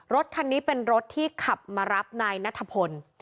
รถคันนี้เป็นรถที่ขับมารับนายนัทพล